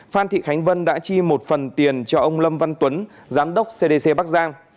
phan thị khánh vân đã chi một phần tiền cho ông lâm văn tuấn giám đốc cdc bắc giang